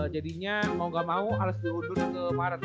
jadinya mau gak mau ales dirudul ke maret